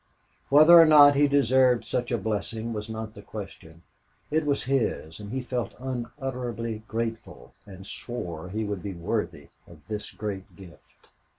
Whether or not he deserved such a blessing was not the question. It was his, and he felt unutterably grateful and swore he would be worthy of this great gift.